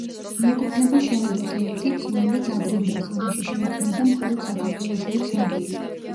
მიეკუთვნება შენობათა იმ ტიპს, რომელიც ადრინდელ ხანაში შეიქმნა და მხოლოდ საქართველოშია ცნობილი.